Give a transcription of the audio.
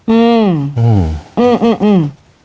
อืมอืมอืมอืม